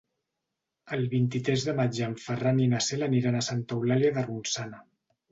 El vint-i-tres de maig en Ferran i na Cel aniran a Santa Eulàlia de Ronçana.